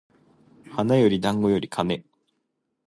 花より団子より金